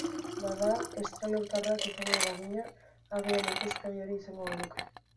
Bada, estralurtarrak izango bagina, agian ikuspegi hori izango genuke.